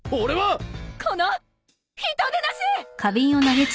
この人でなし！